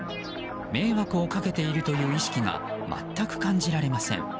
迷惑をかけているという意識が全く感じられません。